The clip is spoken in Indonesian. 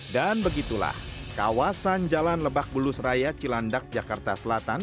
dan begitulah kawasan jalan lebak bulus raya cilandak jakarta selatan